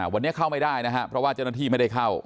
วันนี้เข้าไม่ได้นะครับเพราะว่าเจ้าหน้าที่ไม่ได้เข้า